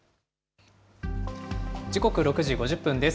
時刻６時５０分です。